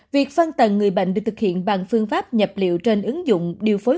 việc phân tần người bệnh được thực hiện bằng phương pháp nhập liệu trên ứng dụng điều phối